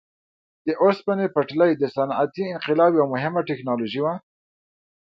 د اوسپنې پټلۍ د صنعتي انقلاب یوه مهمه ټکنالوژي وه.